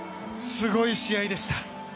すごい試合でした。